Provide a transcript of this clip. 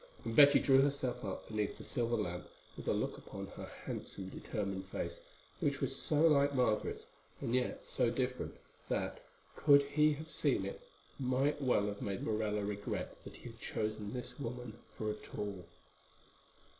And Betty drew herself up beneath the silver lamp with a look upon her handsome, determined face, which was so like Margaret's and yet so different, that, could he have seen it, might well have made Morella regret that he had chosen this woman for a tool.